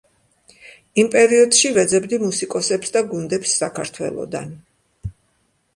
იმ პერიოდში ვეძებდი მუსიკოსებს და გუნდებს საქართველოდან.